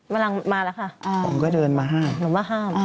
มาแล้วค่ะหนูว่าห้ามดึงน้องผมก็เดินมาห้าม